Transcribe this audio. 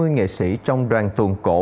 hai mươi nghệ sĩ trong đoàn tuần cổ